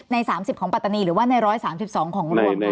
๓๐ของปัตตานีหรือว่าใน๑๓๒ของรวม